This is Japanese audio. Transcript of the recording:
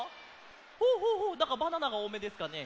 ほうほうほうなんか「バナナ」がおおめですかね。